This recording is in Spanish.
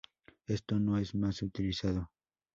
Este no es más utilizado.